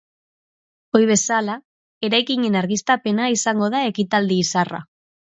Ohi bezala, eraikinen argiztapena izango da ekitaldi izarra.